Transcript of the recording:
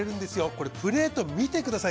これプレート見てください